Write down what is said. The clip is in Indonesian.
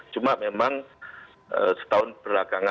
cuma memang setahun berlaku